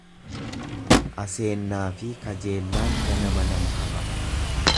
Aseennaafi kajeellaan ganama nama hafa.